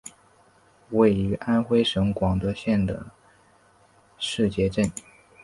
位于安徽省广德县的誓节镇。